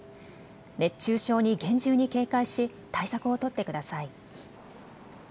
熱中症に厳重に警戒し対策を取ってください。